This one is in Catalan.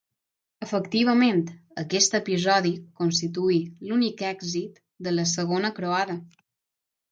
Efectivament, aquest episodi constituí l'únic èxit de la Segona Croada.